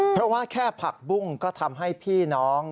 เพราะว่าแค่ผักบุ้งก็ทำให้พี่น้อง